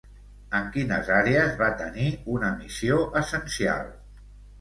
En quines àrees va tenir una missió essencial?